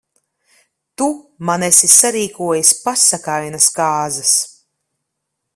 Tu man esi sarīkojis pasakainas kāzas.